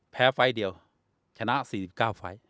ไฟล์เดียวชนะ๔๙ไฟล์